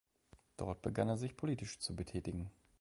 Dort begann er sich politisch zu betätigen.